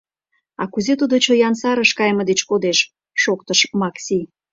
— А кузе тудо чоян сарыш кайыме деч кодеш! — шоктыш Макси.